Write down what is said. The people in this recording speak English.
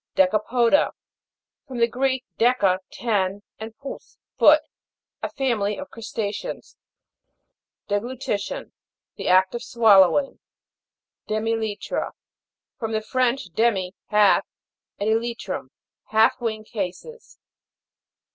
DECAFO'DA. From the Greek, deca, ten, and pous, foot. A family of Crusta'ceans. DEGLUTI'TION. The act of swallow ing. DEMI ELY'TRA. From the French, de'mij half, and e'lytrum. Half wing cases.